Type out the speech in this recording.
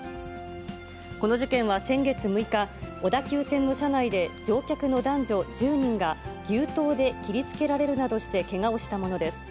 この事件は先月６日、小田急線の車内で乗客の男女１０人が、牛刀で切りつけられるなどしてけがをしたものです。